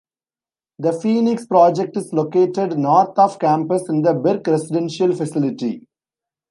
The Phoenix Project is located north of campus in The Berk residential facility.